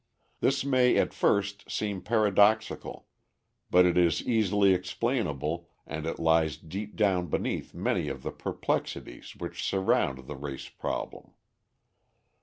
This may, at first, seem paradoxical: but it is easily explainable and it lies deep down beneath many of the perplexities which surround the race problem.